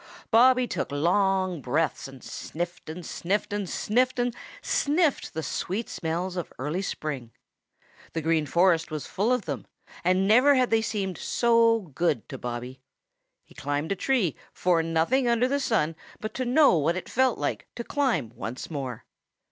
Bobby took long breaths and sniffed and sniffed and sniffed and sniffed the sweet smells of early spring. The Green Forest was full of them, and never had they seemed so good to Bobby. He climbed a tree for nothing under the sun but to know what it felt like to climb once more.